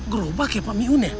gerobak ya pak mion ya